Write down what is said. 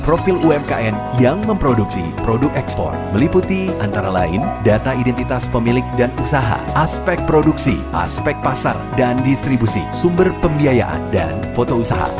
profil umkm yang memproduksi produk ekspor meliputi antara lain data identitas pemilik dan usaha aspek produksi aspek pasar dan distribusi sumber pembiayaan dan foto usaha